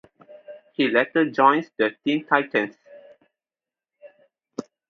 He later joins the Teen Titans.